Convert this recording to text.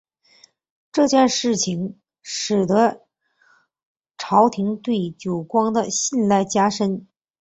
这件事情使得朝廷对久光的信赖加深。